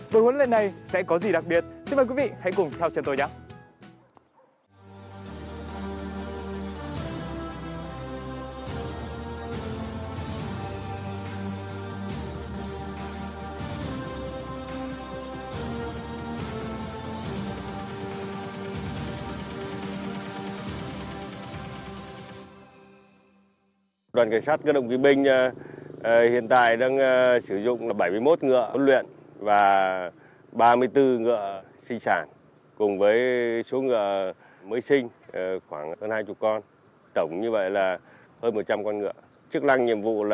buổi huấn luyện này sẽ có gì đặc biệt xin mời quý vị hãy cùng theo chân tôi nhé